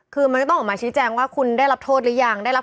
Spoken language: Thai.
คุณได้รับโทษหรือยัง